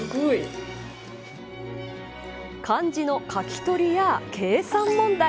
漢字の書き取りや計算問題。